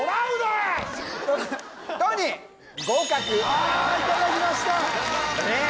ああいただきましたえっ